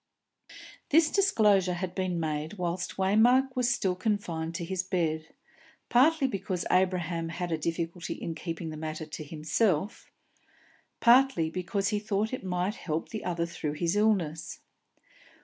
This disclosure had been made whilst Waymark was still confined to his bed; partly because Abraham had a difficulty in keeping the matter to himself; partly because he thought it might help the other through his illness.